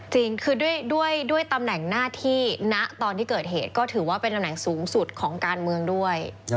จริงคือด้วยตำแหน่งหน้าที่ณตอนที่เกิดเหตุก็ถือว่าเป็นตำแหน่งสูงสุดของการเมืองด้วย